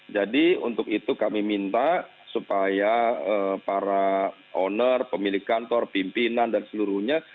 jadi untuk itu kami minta supaya para owner pemilik kantor pimpinan dan seluruhnya